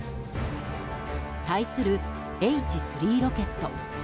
対するＨ３ロケット。